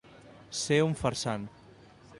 Ser un farsant.